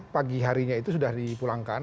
pagi harinya itu sudah dipulangkan